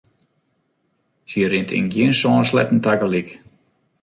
Sy rint yn gjin sân sleatten tagelyk.